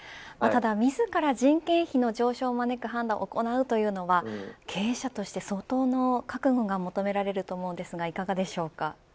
ただ、自ら人件費の上昇を招く判断を行うというのは経営者として相当な覚悟が求められると思いますが、いかがでしょうか。